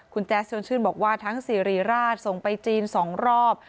คุณแจ๊สชวนชื่นบอกว่าทั้งสิริราชส่งไปจีน๒รอบ